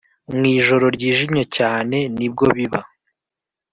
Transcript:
mwijoro ryijimye cyane nibwo biba